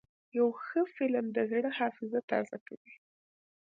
یو ښه فلم د زړه حافظه تازه کوي.